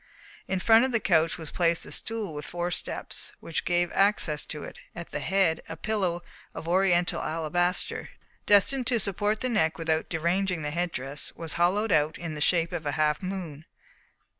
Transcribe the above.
In front of the couch was placed a stool with four steps, which gave access to it: at the head, a pillow of Oriental alabaster, destined to support the neck without deranging the head dress, was hollowed out in the shape of a half moon.